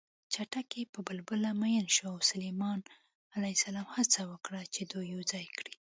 چتکي په بلبله مین شو او سلیمان ع هڅه وکړه چې دوی یوځای کړي